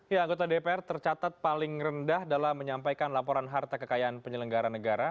ya anggota dpr tercatat paling rendah dalam menyampaikan laporan harta kekayaan penyelenggara negara